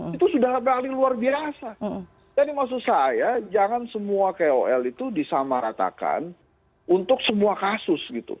itu sudah beralih luar biasa jadi maksud saya jangan semua kol itu disamaratakan untuk semua kasus gitu